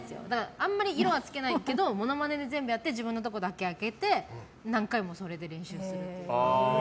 あんまり色は付けないですけどモノマネで全部やって自分のところだけあけて何回もそれで練習する。